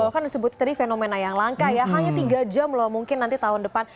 kan disebut tadi fenomena yang langka ya hanya tiga jam loh mungkin nanti tahun depan